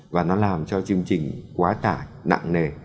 và nó làm cho chương trình quá tải nặng nề